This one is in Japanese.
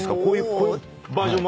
こういうバージョンも。